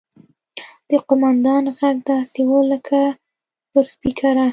د قوماندان غږ داسې و لکه له لوډسپيکره.